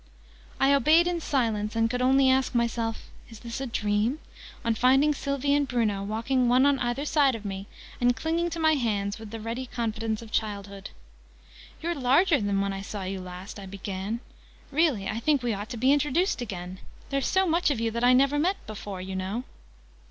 I obeyed in silence, and could only ask myself "Is this a dream?", on finding Sylvie and Bruno walking one on either side of me, and clinging to my hands with the ready confidence of childhood. "You're larger than when I saw you last!" I began. "Really I think we ought to be introduced again! There's so much of you that I never met before, you know."